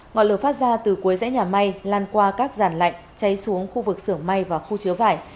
ngọn lửa phát ra từ cuối dãy nhà may lan qua các giàn lạnh cháy xuống khu vực sưởng may và khu chứa vải